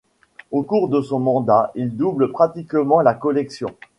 Au cours de son mandat, il double pratiquement la collection.